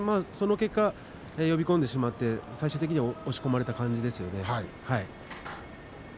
その結果は呼び込んでしまって最終的に押し込まれた感じですね。